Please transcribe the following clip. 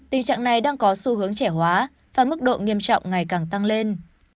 tình trạng này đang có xu hướng trẻ hóa và mức độ nghiêm trọng ngày càng tăng lên